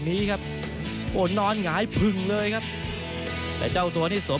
นี้ครับโอ้นอนหงายผึ่งเลยครับแต่เจ้าตัวนี่สวม